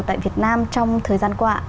tại việt nam trong thời gian qua